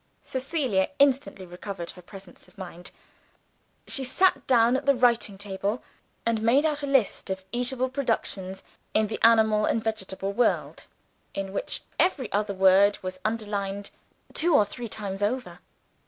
Cecilia instantly recovered her presence of mind. She sat down at the writing table, and made out a list of eatable productions in the animal and vegetable world, in which every other word was underlined two or three times over.